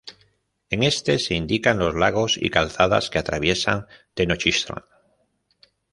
En este se indican los lagos y calzadas que atraviesan Tenochtitlán.